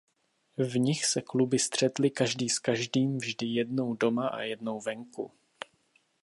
V nich se kluby střetly každý s každým vždy jednou doma a jednou venku.